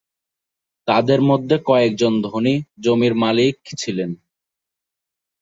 তাদের মধ্যে কয়েকজন ধনী জমির মালিক ছিলেন।